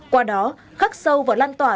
qua đó khắc sâu và lan tỏa